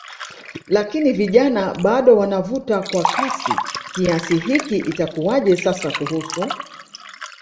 lakini vijana bado wanavuta kwa kasi kiasi hiki itakuaje sasa kuhusu